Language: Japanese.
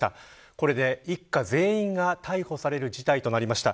これで一家全員が逮捕される事態になりました。